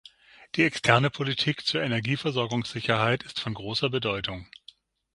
Die externe Politik zur Energieversorgungssicherheit ist von großer Bedeutung.